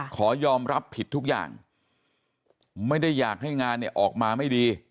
ขอยอมรับผิดทุกอย่างไม่ได้อยากให้งานเนี่ยออกมาไม่ดี